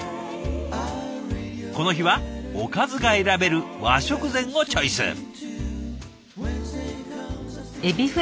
この日はおかずが選べる和食膳をチョイス。